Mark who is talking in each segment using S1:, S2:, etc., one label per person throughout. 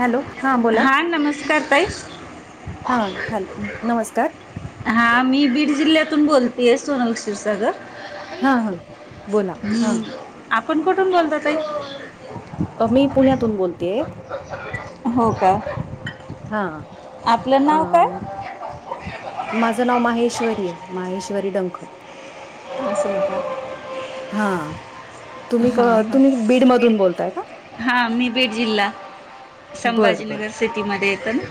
S1: Hello हां बोला.
S2: हा नमस्कार ताई
S1: हा हॅल नमस्कारं.
S2: हां मी बीड जिल्ह्यातून बोलते सोनल क्षीरसागर.
S1: हा हा बोला हा.
S2: हम्म, आपण कुठून बोलता ताई
S1: अ मी पुण्यातून बोलत
S2: हो का?
S1: हा.
S2: आपलं
S1: अ
S2: नाव काय
S1: माझं नाव माहेश्वरी ये माहेश्वरी डंक.
S2: असय का?
S1: हा. तुम्ही क
S2: हा हा
S1: तुम्ही बीडमधून बोलताय का?
S2: हा मी बीड जिल्हा,
S1: बरं बर
S2: संभाजीनगर सिटीमध्ये येतो ना?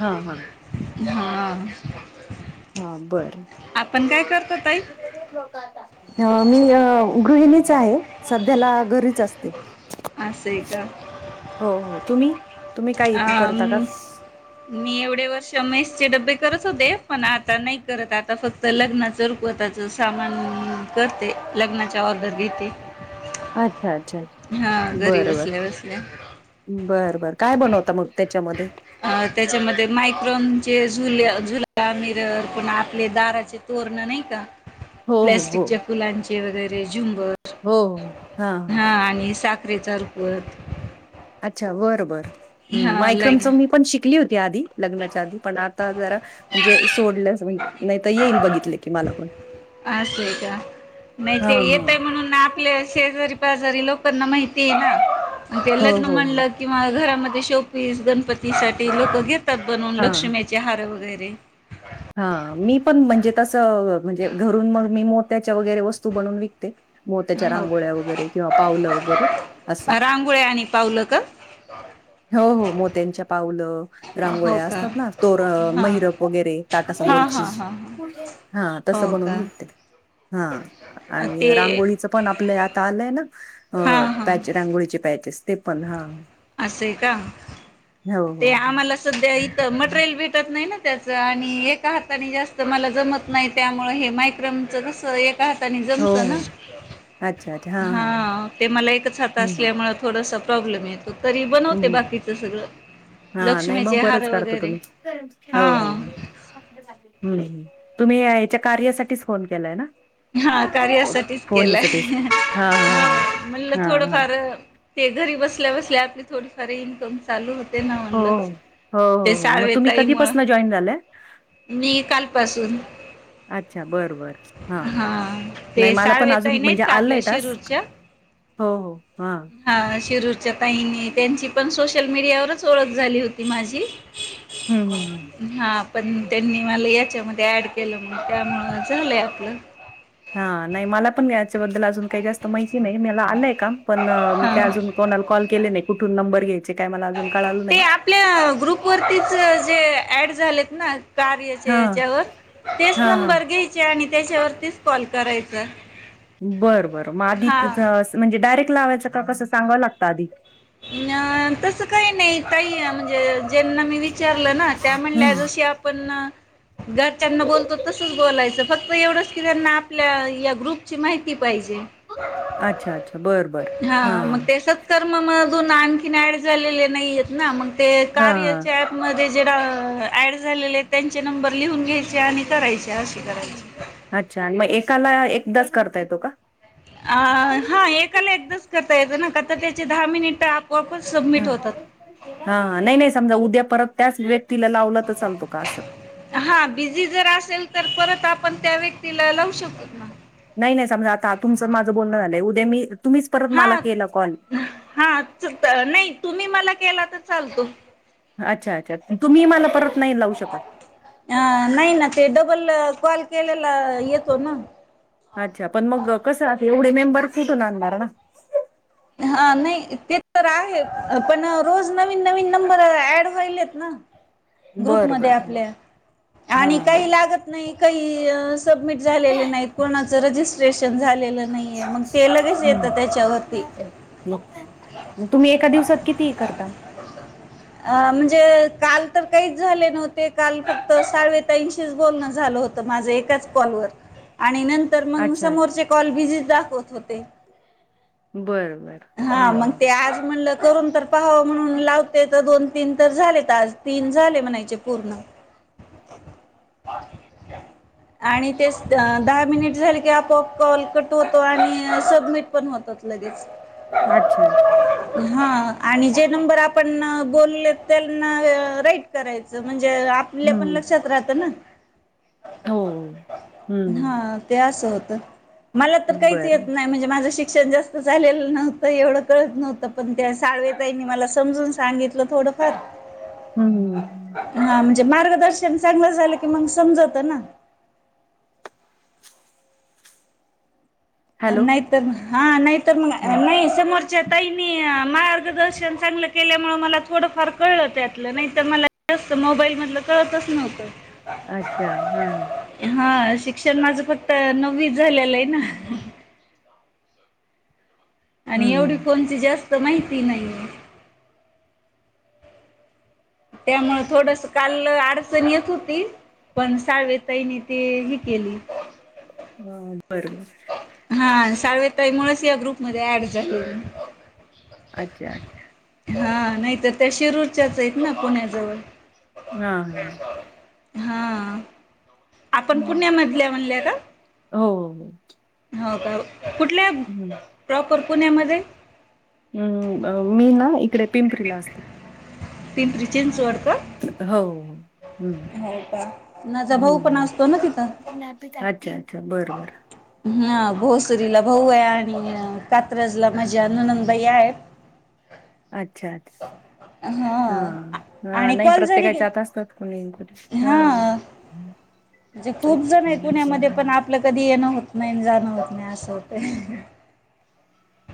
S1: हा हा.
S2: हा.
S1: हा बरं.
S2: आपण काय करतो ताई?
S1: अ मी अ गृहिणीच आहे सध्याला घरीच असते.
S2: असय का?
S1: हो हो तुम्ही तुम्ही काही करता का?
S2: अम, मी एवढे वर्ष मेश चे डब्बे करत होते पण आता नाही करत आता फक्त लग्नाच रुकवताच सामान करते लग्नाच्या ऑर्डर घेते.
S1: अच्छा अच्छा
S2: हा घरी
S1: बरं बर
S2: बसल्या बसल्या.
S1: बरं बर काय बनवता मग त्याच्यामध्ये?
S2: अ त्याच्यामध्ये मायक्रोनचे झुले अ झुला मिरर किंवा आपले दाराचे तो पूर्ण नाही का?
S1: हो हो हो
S2: प्लास्टिकचे फुलांचे वगैरे झुंबर हा आणि साखरेचा रुकवत.
S1: अच्छा बर बर
S2: लग्न
S1: मायक्रमच मी पण शिक ली होती आधी लग्नाच्या आधी पण आता जरा मजे [unintelligible] नाही तर येईल बघितले की मला पण.
S2: असं आहे का? नाही ते
S1: हां, हां.
S2: येतय म्हणून आपल्या शेजारी पाजारी लोकांना माहितीये ना, म ते
S1: हो,
S2: लग्न
S1: हो, हो.
S2: म्हणलं कि मला घरामध्ये शोपीस गणपती साठी लोकं घेतात बनून
S1: हां,
S2: लक्ष्मीचे हार वगैरे.
S1: हा मी पण म्हणजे तसं अ म्हणजे, घरून मग मी मोत्याच्या वगैरे वस्तू बनवून विकते. मोत्याच्या
S2: हो
S1: रांगोळ्या वगैरे किंवा पावलं वगैरे असं
S2: ह
S1: हो हो मोत्यांच्या पावलं
S2: हो
S1: रांगोळ्या
S2: का?
S1: असतात ना तोर
S2: हां हां
S1: मैरप वगैरे ताट
S2: हां
S1: सामोरची
S2: हां हां.
S1: हा तस
S2: हो
S1: बनवून
S2: का
S1: विकते हा आणि
S2: ते
S1: रांगोळीच पण आपलं आता आलंय
S2: हां
S1: ना
S2: हां
S1: पॅ रांगोळीचे पॅचेस ते पण हा
S2: असं का
S1: हो हो
S2: ते
S1: हो
S2: आम्हाला सध्या इथं मटेरियल भेटत नाही ना त्या आणि एका हाताने जास्त मला जमत नाही त्यामुळे हे मायक्रमच कस कातानी जमत
S1: हो
S2: ना
S1: हो.
S2: हा ते मला एकच हात
S1: हम्म
S2: असल्यामुळे थोडसा प्रॉब्लेम येत तरी बनवते
S1: हम्म.
S2: बाकीच सगळं
S1: हा नाही मग
S2: लक्ष्मीचे
S1: बरंच
S2: हार
S1: करत
S2: वगैरे
S1: तुम्ही हो हो
S2: हां
S1: हम् तुम्ही याच्या कार्यासाठीच फोन केलाय ना
S2: हा कार्यासाठीच केलंय
S1: फोनीसाठीच हा हा
S2: म्हणलं
S1: हा हा हा
S2: थोडंफार ते घरी बसल्या बसल्या आपली थोडीफार इनकम चालू होते ते ना
S1: हो
S2: म्हणलंच
S1: हो हो
S2: ते
S1: हो हो. मग
S2: साळवे
S1: तुम्ही
S2: ताई मुळ
S1: कधीपासून जॉईन झालाय
S2: मी कालपास दन [unintelligible]
S1: अच्छा बर बर
S2: हा ते
S1: नाही मला पण
S2: साळवे
S1: अजून
S2: ताई नाहीत
S1: म्हणजे
S2: का आपल्या
S1: आलंय टास्क
S2: शिरूरच्या
S1: हो हो
S2: हा शिरूरच्या काही नाही त्यांची पण सो सोशल मीडियावरच ओळख झाली होती माझी
S1: हम्म हम्म हम्म
S2: हा पण त्यांनी मला या त्याच्यामध्ये ऍड केलं म्हण त्यामुळ झालंय आपलं
S1: हा नाही मला पण याच्याबद्दल अजून काही जास्त माहिती नाही मला आलाय का पण
S2: हा
S1: मी काय
S2: हा
S1: अजून कोणाला कॉल केले नाही कुठून नंबर घ्याय
S2: ते आपल्या ग्रुप वरतीच जे ऍड झालेत ना कार याच्या
S1: हा
S2: याच्यावर तेच
S1: हा हा
S2: नंबर घ्यायचे आणि त्याच्यावरतीच कॉल करायचा
S1: बरं बरं मग आधी
S2: हा
S1: म्हणजे डायरेक्ट लावायचं का कसं सांगावं लागतं आधी
S2: अ तस काही नाही काही म्हणजे जेना मी विच विचारलं ना त्या म्हणल्या
S1: हम्म
S2: जशी आपण घरच्यांना बोलतो तर सुज बोलायचं फक्त एवढंच की त्यांना आपल्या या ग्रुपची माहिती पाहिजे
S1: अच्छा अच्छा बर बर
S2: हा मग त्यास आणखी ड झा नाही मग
S1: हा
S2: कार
S1: हा.
S2: जरा ऍड झालेले त्यांचे नंबर लिहून घ्यायचे आणि करायचे अशी करायची
S1: काला एकदाच करता येतो का
S2: अं, हा एकाला एकदाच करता येतं ना का तर त्याचे दहा मिनिट आप
S1: हा हा नाही नाही समजा उद्या परत त्याच व्य
S2: हा बिझी जर असेल तर परत आपण त्या व्यक्तीला लावू शकत ना
S1: नाही नाही समजा आता तुमचं माझं बोलणं झालंय उद्या मी तुम्हीच परत मला
S2: हा
S1: केलं कॉल
S2: मही मला केला तर चालतो
S1: अच्छा अच्छा तुम्ही मला परत नाही लावू शकत.
S2: अ नाही ना ते ड बल कॉल केलेला येतो ना
S1: अच्छा पण मग कसं एवढे मेंबर कुठून आणणार ना
S2: हा नाही ते तर आहे पण रोज नवीन नवीन नंबर ऍड व्हाईलेत ना
S1: बर
S2: ग्रुपमध्ये
S1: बर
S2: आपल्या
S1: हा
S2: आणि काही लागत नाही काही सबमिट झालेले नाहीत कोणाचं रजिस्ट्रेशन झाले नाहीये मग ते लगच येतं
S1: हम्म
S2: त्याच्यावरती
S1: तुम्ही एका दिवसात किती करता
S2: अ म्हणजे काल तर काहीच झाले नव्हते काल फक्त साडवताऐंशीच बोलणं झालं मा एका कॉल मग
S1: अच्छा अच्छा
S2: समोरचे कॉल बजी दाखवत होते
S1: बर बर
S2: हा मग ते आज म्हणलं करून तर पहां म्हणून लावते तर दोन तीन तर झाले आज तीन झाले म्हणायचे पूर्ण बा आणि ते दहा मिनिट झाले की आपो कॉल कटतो आणि सबमिट पण ात लगेच
S1: अच्छा
S2: हा आणि जे नंबर आपण बोलले त्यांना राईट करायचं म्हणजे तर आपल्या पण
S1: हम्म
S2: लक्षात राहतं ना
S1: हो हो
S2: हा
S1: हम्म
S2: त्यास हो मला तर काहीच
S1: बर
S2: येत नाही म्हणजे माझं शिक्षण जास्त झालेल नव्हतं एवढं कळत नव्हतं पण त्या साळवेताईनी मला समजून सांगितलं थोडंफार हा
S1: हम्
S2: म्हणजे मार्गदर्शन चांगलं झालं की मग समजवत ना
S1: हॅलो
S2: नाहीतर,, हा नाहीतर मग
S1: हा.
S2: नाही! समोरच्या ताईनींऽऽ माऽऽर्गदर्शन चांगलं केल्यामुळे मला थोडंफार कळलं त्यातलं,, नाहीतर मला जास्त मोबाईल मधऽऽ कळतच नव्हतं.
S1: अच्छा हा.
S2: हा शिक्षण माझं फक्त नववीच झालेलं आहे ना. आणि एवढी
S1: हम्म
S2: कोणती जास्त माहिती नाही. त्यामुळऽ थोडसं काल अडचण येत होती. पण साळवेताईनी ते ऽऽहि केली.
S1: हा बरोबर.
S2: हां साळवेताई मुळंच या ग्रुप मधे ऍड झालेऽऽ
S1: अच्छा.
S2: हा, नाहीतर त्या शिरूरच्याच आहेत ना पुण्याजवळ.
S1: हा हा
S2: हा,,, आपण
S1: हम्म.
S2: पुण्यामधल्या म्हणल्या का?
S1: हो.
S2: हो का,, कुठल्या? प्रॉपर पुण्यामध्ये.
S1: हम्,, मी ना इकडे पिंपरीला असते.
S2: पिंपरी चिंचवड कार्धऽऽ
S1: होव
S2: हो का,, माझा भाऊ पण
S1: हम्म.
S2: असतो ना तिथं.
S1: अच्छा बरं बर.
S2: हां, भोसरीला भाऊ आय, आणिऽऽ कात्रज ला माझ्या ननंदबाई आहेत. ह ह
S1: अच्छाच्छा. हा, ह,
S2: आणि
S1: नाही
S2: कॉल जरी
S1: प्रत्येकाच्या आता असतात कुणी कुठे,, हाऽऽ
S2: म्हजे खूप जणं आहे पूण्यामध्ये पण आपलं कधी येण होतऽऽ नाही नाई जाानं होत नाही अस हुतय,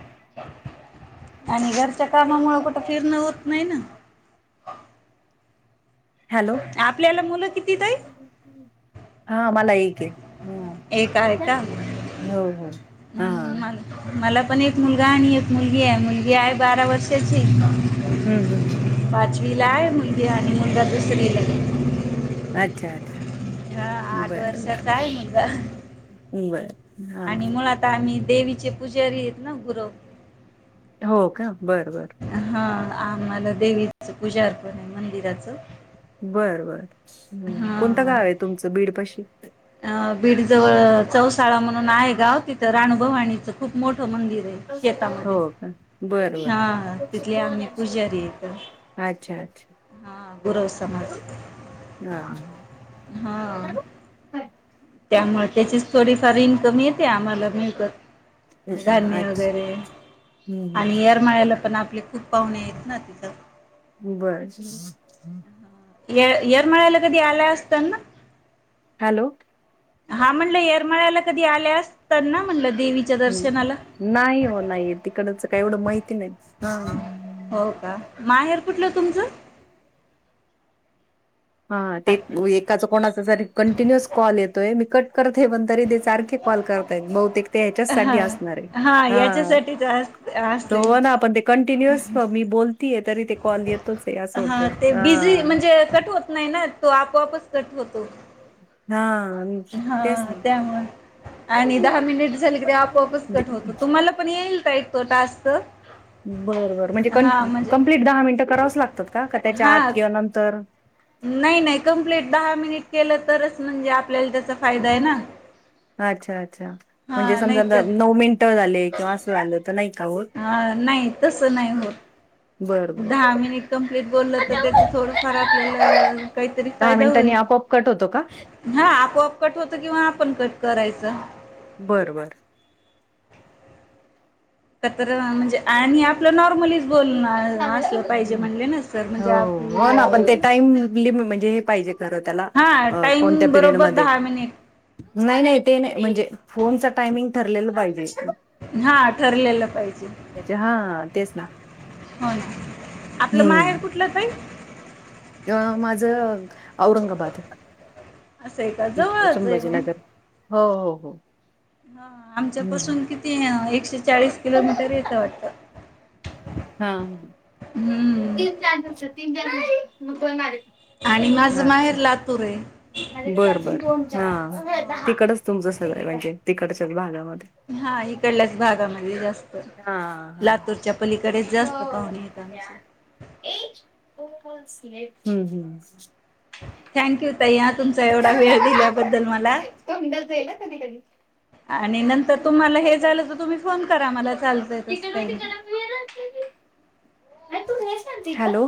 S2: [unintelligible] आणि घरच्या कामामुळे कुठं फिरणं होत नाही नाऽऽ
S1: हॅलो
S2: आपल्याला मुलं किती ताई?
S1: हां मला एक आहे, हो.
S2: एक आहे का
S1: अ हां.
S2: हम्म मला पण एक मुलगा आणि एक मुलगी हाय, मुलगी हाय बारा वर्षाची.
S1: हम्म हम्म
S2: [unintelligible] पाचवीला आहे मुलगी आणि मुलगा दुसरीला हाय
S1: अच्छा, अच्छा,
S2: आठ
S1: बर, बर,
S2: वर्षाचा आहे मुलगा
S1: बर. हा
S2: आणि मुळात आम्ही देवीचे पुजारी हायेत ना, गुरव.
S1: हो का, बरं, बर
S2: आहां. आम्हाला देवीची पूजा अर्चा मंदिराचं.
S1: बर बर, हं कोणतं गाव हाय तुमचं? बीडपशी.
S2: अं बीड जवळ चौसाळा म्हणून आहे गाव तिथं राणूभवानीचं खूप मोठ तो मंदिर आय
S1: हो
S2: शेतामध्ये.
S1: का बर बर
S2: हां, हां, तिथले आमी पुजारी हाय.
S1: अच्छा, अच्छा.
S2: आं, गुरव समाज.
S1: हां.
S2: हा
S1: [unintelligible]
S2: त्यामुळे त्येचीच थोडीफार इन्कम येते आम्हाला मिळकत. धान्य
S1: अच्छा
S2: वगैरे,
S1: हम्म
S2: आणि येरमाळ्याला पण आ आपले खूप पाहुणे आहेत ना तिथं.
S1: बर. [unintelligible]
S2: ये यरमाळ्याला कधी आल्या असत्याल ना?
S1: हॅलो.
S2: हा म्हणलं येरमाळ्याला कधी आल्या असत्यालना म्हणलं. देवीच्या दर्शनाला
S1: नाही हो नाही तिकडचं काही एवढं माहिती नाही अ हां.
S2: हो का माहेर कुठलं तुमचं?
S1: हां हां ते एकाचा कोणाचा तरी कंटिन्युअस कॉल येतोय मी कट करते पण तरी ते सारखे कॉल करतायत बहुतेक
S2: हा
S1: हेच्याचसाठीअसणार हाय.
S2: हा
S1: हां
S2: याच्यासाठीच अस
S1: तो
S2: असेल
S1: होना आ पण ते कंटिन्युस मी बोल - - ती, तरी ते कॉल येतोचयं असं
S2: हा
S1: होतय,
S2: ते बिझी
S1: हा.
S2: म्हणजे कट होत नाही ना तो आपोआपच कटत होतो.
S1: हा. तेच
S2: हा.
S1: ना
S2: त्यामुळे, आणि दहा मिनिट झाले की आपोआपच कट होतो.
S1: बरं
S2: तुम्हाला पण येईल ताई तो टास्क.
S1: बर बर म्हणजे
S2: हा म्हणजे
S1: कंप्लीट दहा मिनिटं करावच लागतात का? त्याच्या
S2: हा
S1: आत किंवा नंतर
S2: नाही नाही कंप्लीट दहा मिनिट केलं तरच म्हणजे आपल्याला त्याचा फायदा आहे ना
S1: अच्छा अच्छा म्हणजे
S2: हा
S1: समजा
S2: नाही तर
S1: नऊ मिनिटं झाले किंवा असं झालं तर नाही? का होत?
S2: हां नाही तसं नाही हो
S1: बरं बर
S2: दहा मिनिट कम्प्लीट बोललं तर त्याच थोडंफार आपल्याला काहीतरी
S1: दहा
S2: फायदा
S1: मिनिटांनी
S2: होईल.
S1: आपोआप कट होतो का?
S2: हा आपोआप कट होत किंवा आपण कट करायचं.
S1: बर बर.
S2: त तर म्हणजे आणि आपलं ना प्लीज बोल ना असलं पाहिजे
S1: हम्म.
S2: म्हणले ना सर म्हणजे
S1: हो
S2: आपलं
S1: तीही पाहिजे खर त्याला
S2: हा
S1: कोणत्या
S2: टाइम बरोबर
S1: पिरयडमधे
S2: दहा मिनिट
S1: नाही नाही ते नाही म्हणजे फोनचं टायमिंग ठरलेलं पाहिजे.
S2: हां. ठरलेलं पाहिजे.
S1: म्हणजे हा तेच ना
S2: होय. आपलं माहेर कुठलं ताई?
S1: अं माझ औरंगाबाद.
S2: असं आहे का जवळच
S1: एकदम
S2: आहे
S1: भजनात. हो हो हो
S2: हं हं
S1: हम्म
S2: आमच्यापासून किती एकशे चाळीस किलोमीटर येतं वाटत.
S1: हां. तीन चार दिस तीन चार दिस उपास
S2: आणि माझं
S1: मार
S2: माहेर
S1: अच्छा
S2: लातूर आहे
S1: बर बर हा
S2: हो
S1: तिकडच तुमचं सगळं म्हणजे तिकडच्याच भागामध्ये
S2: हा इकडल्याच भागामध्ये जास्त
S1: हा हा
S2: लातूरच्या पलीकडे जास्त पाहुणे आहेत आमचे
S1: हम्म हम्
S2: थँक यू तईया तुमचा एवढा वेळ दिल्याबद्दल मला आणि नंतर तुम्हाला हे झालं तर तुम्ही फोन करा मला चालतंय तस काही नाही हो
S1: हॅलो